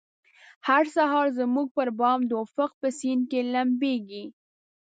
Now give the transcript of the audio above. هر سهار زموږ پربام د افق په سیند کې لمبیږې